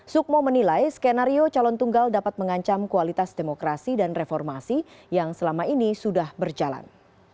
sukmo menilai skenario calon tunggal dapat mengancam kualitas demokrasi dan reformasi yang selama ini sudah berjalan